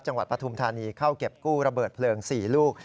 จังหวัดปฐุมธานีเข้าเก็บกู้ระเบิดเปลือง๔ลูก